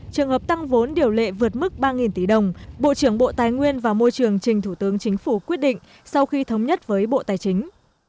trường hợp tăng vốn điều lệ vượt mức ba tỷ đồng bộ trưởng bộ tài nguyên và môi trường trình thủ tướng chính phủ quyết định sau khi thống nhất với bộ tài chính